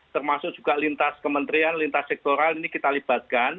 termasuk juga lintas kementerian lintas sektoral ini kita libatkan